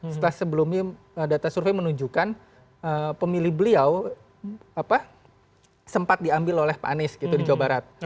setelah sebelumnya data survei menunjukkan pemilih beliau sempat diambil oleh pak anies gitu di jawa barat